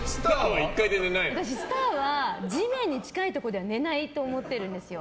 私、スターは地面に近いところで寝ないって思ってるんですよ。